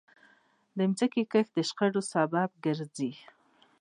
د ځمکې کمښت د شخړو سبب ګرځي.